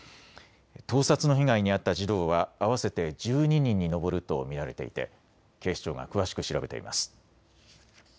盗撮の被害に遭った児童は合わせて１２人に上ると見られていて警視庁が詳しく調べています。